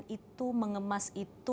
bagaimana mengkomunikasikan itu